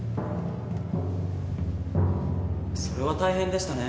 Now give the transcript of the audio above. それは大変でしたね。